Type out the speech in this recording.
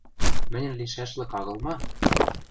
Мӹньӹн лишӓшлык агыл ма?